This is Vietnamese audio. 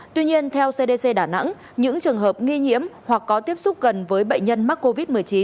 tuy nhiên theo cdc đà nẵng những trường hợp nghi nhiễm hoặc có tiếp xúc gần với bệnh nhân mắc covid một mươi chín